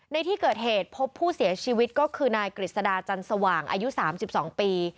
ในที่เกิดเหตุพบผู้เสียชีวิตก็คือนายกฤษดาจันสว่างอายุ๓๒ปี